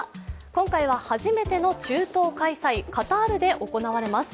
今回は初めての中東開催、カタールで行われます。